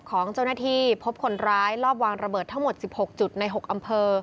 ของเจ้าหน้าที่พบคนร้ายรอบวางระเบิดทั้งหมด๑๖จุดใน๖อำเภอ